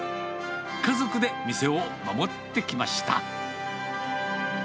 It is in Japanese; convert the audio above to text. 家族で店を守ってきました。